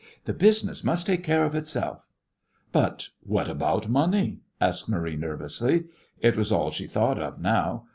"The business must take care of itself." "But what about money?" asked Marie nervously. It was all she thought of now.